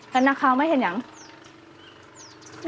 เป็นนักข่าวไหมช่างเนียง